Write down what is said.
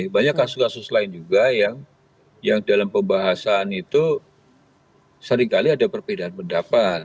banyak kasus kasus lain juga yang dalam pembahasan itu seringkali ada perbedaan pendapat